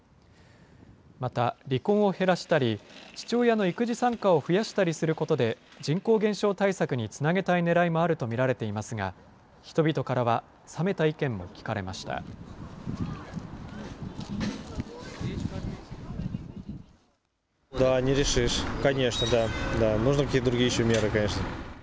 また離婚を減らしたり、父親の育児参加を増やしたりすることで、人口減少対策につなげたいねらいもあると見られていますが、人々からは冷めた意見も聞かれました。